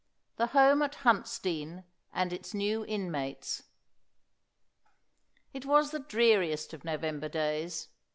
THE HOME AT HUNTSDEAN AND ITS NEW INMATES. It was the dreariest of November days.